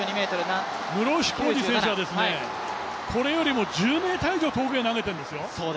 室伏広治選手はこれよりも１０ｍ以上遠くに投げてるんですよ